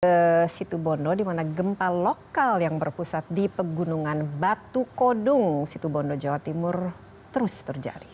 ke situbondo di mana gempa lokal yang berpusat di pegunungan batu kodung situbondo jawa timur terus terjadi